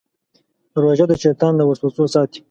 روژه د شیطان له وسوسو ساتي.